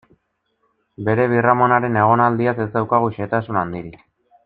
Bere birramonaren egonaldiaz ez daukagu xehetasun handirik.